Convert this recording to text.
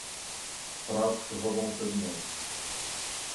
Fraudes que roubam seu dinheiro